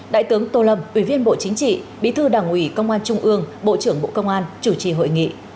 đại tướng tô lâm ủy viên bộ chính trị bí thư đảng ủy công an trung ương bộ trưởng bộ công an chủ trì hội nghị